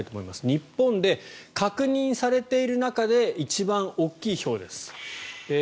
日本で確認されている中で一番大きいひょうです。